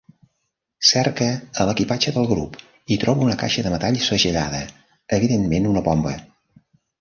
Cerca a l'equipatge del grup i troba una caixa de metall segellada, evidentment una bomba.